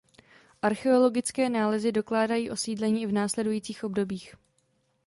Archeologické nálezy dokládají osídlení i v následujících obdobích.